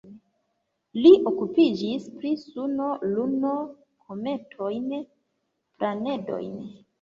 Li okupiĝis pri Suno, Luno, kometoj, planedoj.